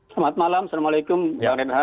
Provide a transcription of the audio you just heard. selamat malam assalamualaikum wr wb